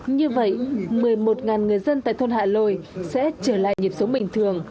như vậy một mươi một người dân tại thôn hạ lôi sẽ trở lại nhịp sống bình thường